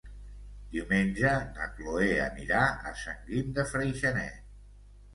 Diumenge na Cloè anirà a Sant Guim de Freixenet.